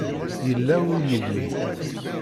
Yella ur yelli.